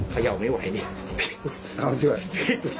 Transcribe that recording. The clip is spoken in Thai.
เขย่าไม่ไหวนี่